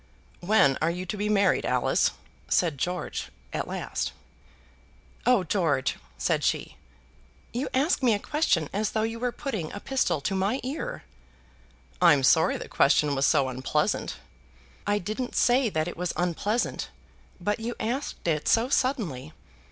"When are you to be married, Alice?" said George at last. "Oh, George!" said she. "You ask me a question as though you were putting a pistol to my ear." "I'm sorry the question was so unpleasant." "I didn't say that it was unpleasant; but you asked it so suddenly!